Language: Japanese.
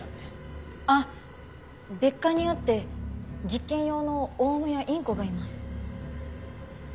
あっ別館にあって実験用のオウムやインコがいます。